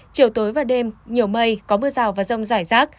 chiều tối và đêm nhiều mây có mưa rào và rông rải rác